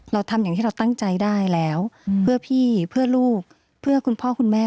เราทำอย่างที่เราตั้งใจได้แล้วเพื่อพี่เพื่อลูกเพื่อคุณพ่อคุณแม่